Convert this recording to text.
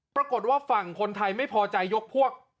ปรากฏว่าฝั่งคนไทยไม่พอใจยกพวก